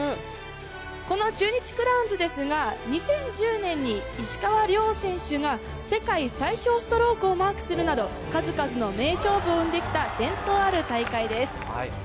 この中日クラウンズですが、２０１０年に石川遼選手が、世界最小ストロークをマークするなど、数々の名勝負を生んできた伝統ある大会です。